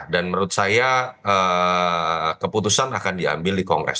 dan menurut saya keputusan akan diambil di kongres